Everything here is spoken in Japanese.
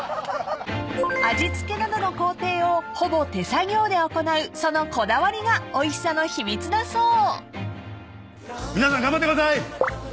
［味付けなどの工程をほぼ手作業で行うそのこだわりがおいしさの秘密だそう］